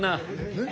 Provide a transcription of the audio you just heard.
えっ？